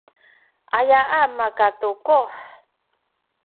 ayaan makatukuh?